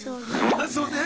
あそうね。